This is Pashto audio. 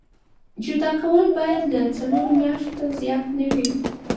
جدا کول باید د څلورو میاشتو نه زیات نه وي.